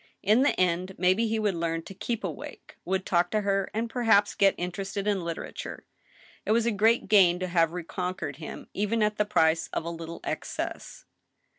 In the end maybe he would learn to keep awake, would talk to her, and perhaps get in terested in literature. It was a great gain to have reconquered him even at the price of a little excess.